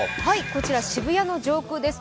こちら渋谷の上空です。